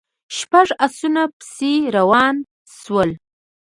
شپږ آسونه پسې روان شول.